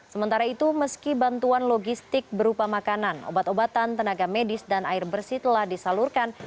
sementara itu meski bantuan logistik berupa makanan obat obatan tenaga medis dan air bersih telah disalurkan